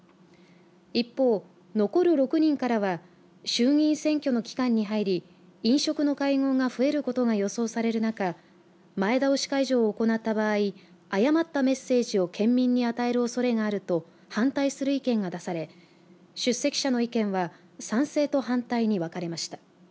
一方、残る６人からは衆議院選挙の期間に入り飲食の会合が増えることが予想される中前倒し解除を行った場合誤ったメッセージを県民に与えるおそれがあると反対する意見が出され出席者の意見は賛成と反対に分かれました。